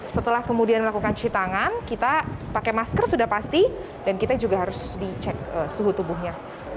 setelah kemudian melakukan cuci tangan kita pakai masker sudah pasti dan kita juga harus dicek suhu tubuhnya